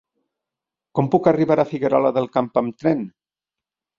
Com puc arribar a Figuerola del Camp amb tren?